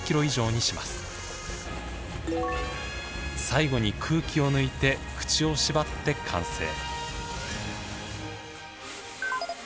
最後に空気を抜いて口を縛って完成。